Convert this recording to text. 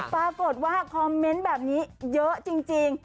ปรากฏว่าคอมเมนต์แบบนี้เยอะจริง